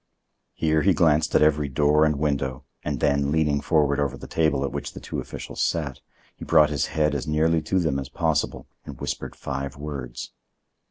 Here he glanced at every door and window; and then, leaning forward over the table at which the two officials sat, he brought his head as nearly to them as possible and whispered five words.